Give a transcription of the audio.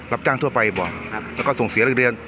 รับจ้างทั่วไปครับ